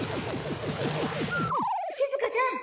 「しずかちゃん」